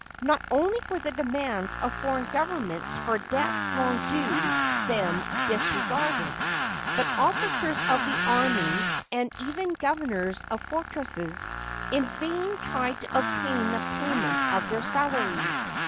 Not only were the demands of foreign governments for debts long due them disregarded, but officers of the army, and even governors of fortresses, in vain tried to obtain the payment of their salaries.